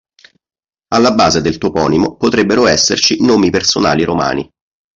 Alla base del toponimo potrebbero esserci nomi personali romani.